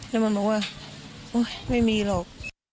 แล้วมันบอกว่าโอ๊ยไม่มีหรอก